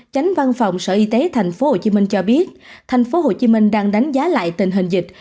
chánh văn phòng sở y tế tp hcm cho biết tp hcm đang đánh giá lại tình hình dịch